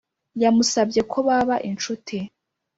yamusabye ko baba inshuti